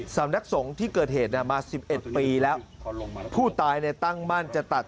สำนักสงฆ์ที่เกิดเหตุมา๑๑ปีแล้วผู้ตายเนี่ยตั้งมั่นจะตัด